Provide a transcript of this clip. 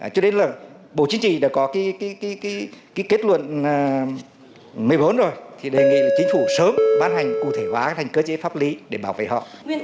cho nên là bộ chính trị đã có cái kết luận một mươi bốn rồi thì đề nghị là chính phủ sớm ban hành cụ thể hóa thành cơ chế pháp lý để bảo vệ họ